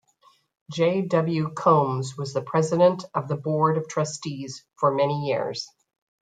J. W. Combs was the president of the board of trustees for many years.